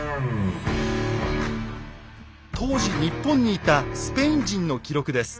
当時日本にいたスペイン人の記録です。